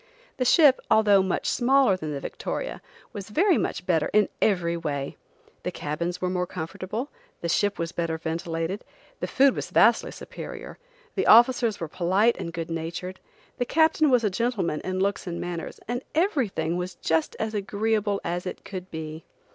The ship, although much smaller than the Victoria, was very much better in every way. The cabins were more comfortable, the ship was better ventilated, the food was vastly superior, the officers were polite and good natured, the captain was a gentleman in looks and manners, and everything was just as agreeable as it could be.